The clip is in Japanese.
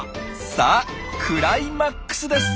さあクライマックスです！